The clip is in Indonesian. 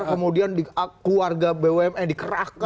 kemudian keluarga bumn dikerahkan